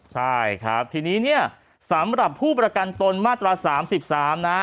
ใช่ครับทีนี้เนี่ยสำหรับผู้ประกันตนมาตรา๓๓นะ